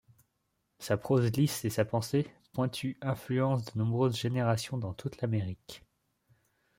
Sa prose lisse et sa pensée pointue influencent de nombreuses générations dans toute l'Amérique.